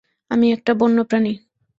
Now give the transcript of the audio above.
আমি একটা বন্য প্রাণী।